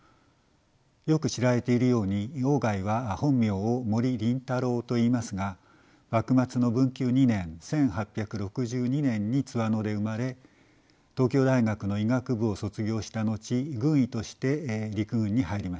よく知られているように外は本名を森林太郎といいますが幕末の文久２年１８６２年に津和野で生まれ東京大学の医学部を卒業した後軍医として陸軍に入りました。